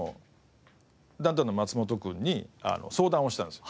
ダウンタウンの松本君に相談をしたんですよ。